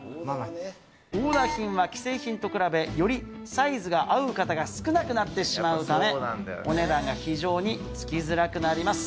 オーダー品は既製品と比べ、よりサイズが合う方が少なくなってしまうため、お値段が非常につ